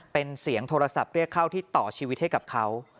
เป็นเสียงโทรศัพท์เรียกเข้าที่ต่อชีวิตให้กับเขา